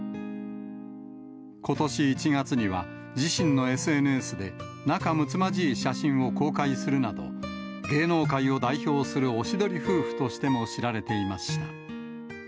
ことし１月には、自身のＳＮＳで、仲むつまじい写真を公開するなど、芸能界を代表するおしどり夫婦としても知られていました。